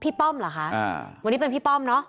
ป้อมเหรอคะวันนี้เป็นพี่ป้อมเนอะ